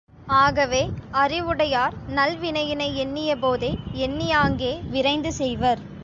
ஆகவே அறிவுடையார், நல்வினையினை எண்ணியபோதே, எண்ணியாங்கே, விரைந்து செய்வர்.